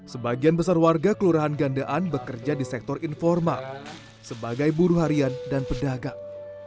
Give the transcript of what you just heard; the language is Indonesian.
sebagian besar warga kelurahan gandean bekerja di sektor informal sebagai buruh harian dan pedagang